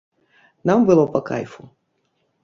Нам было па кайфу.